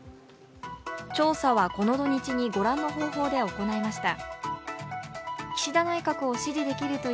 調査は、この土日にご覧の方法で行いました。